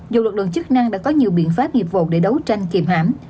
dù lực lượng chức năng đã có nhiều biện pháp nghiệp vụ để đấu tranh kìm hãm